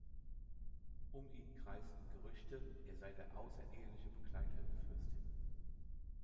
Um ihn kreisten Gerüchte, er sei der außereheliche Begleiter der Fürstin.